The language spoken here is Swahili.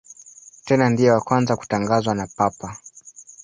Tena ndiye wa kwanza kutangazwa na Papa.